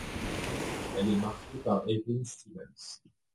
Elle est marquée par Evelyn Stevens.